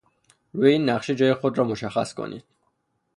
روی این نقشه جای خود را مشخص کنید.